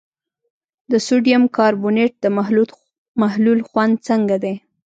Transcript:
د سوډیم کاربونیټ د محلول خوند څنګه دی؟